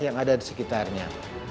yang ada di sekitarnya